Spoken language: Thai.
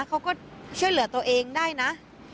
เขาก็ช่วยเหลือตัวเองได้นะ